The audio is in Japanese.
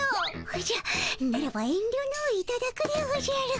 おじゃならば遠りょのういただくでおじゃる。